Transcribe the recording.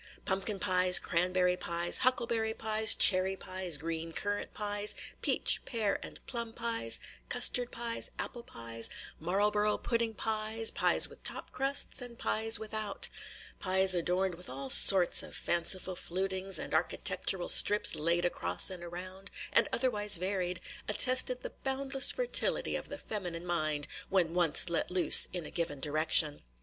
Pumpkin pies, cranberry pies, huckleberry pies, cherry pies, green currant pies, peach, pear, and plum pies, custard pies, apple pies, Marlborough pudding pies – pies with top crusts, and pies without, – pies adorned with all sorts of fanciful flutings and architectural strips laid across and around, and otherwise varied, attested the boundless fertility of the feminine mind, when once let loose in a given direction.